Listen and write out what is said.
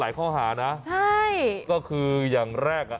แบบนี้คือแบบนี้คือแบบนี้คือ